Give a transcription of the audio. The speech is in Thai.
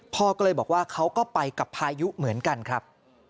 พ่อก็เลยบอกว่าเขาก็ไปกับพายุเหมือนกันครับ